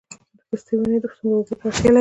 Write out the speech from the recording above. د پستې ونې څومره اوبو ته اړتیا لري؟